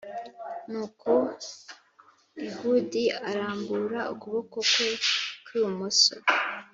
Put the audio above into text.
Nuko ehudi arambura ukuboko kwe kw ibumoso